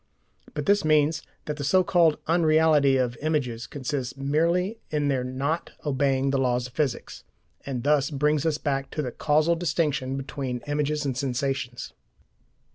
But this means that the so called "unreality" of images consists merely in their not obeying the laws of physics, and thus brings us back to the causal distinction between images and sensations.